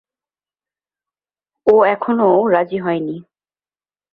ও এখনও রাজি হয়নি।